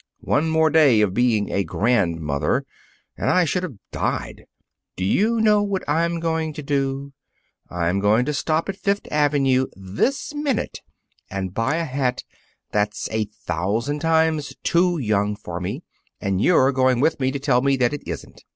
One more day of being a grandmother and I should have died! Do you know what I'm going to do? I'm going to stop at Fifth Avenue this minute and buy a hat that's a thousand times too young for me, and you're going with me to tell me that it isn't.